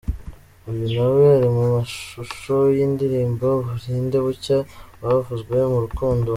Uyu nawe ari mashusho y’indirimbo ’Burinde Bucya’ bavuzwe mu rukundo.